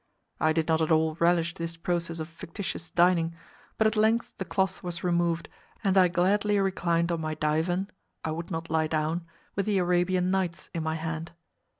I did not at all relish this process of fictitious dining, but at length the cloth was removed, and I gladly reclined on my divan (I would not lie down) with the "Arabian Nights" in my hand.